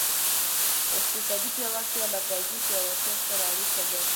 اقتصادي پیاوړتیا له پوځي پیاوړتیا سره اړیکه لري.